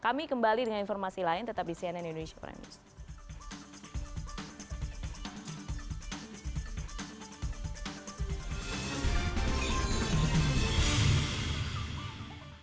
kami kembali dengan informasi lain tetap di cnn indonesia prime news